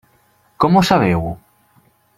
Com ho sabeu?